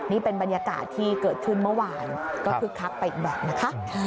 นี่เป็นบรรยากาศที่เกิดขึ้นเมื่อวานก็คึกคักไปอีกแบบนะคะ